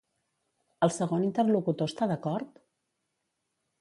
El segon interlocutor està d'acord?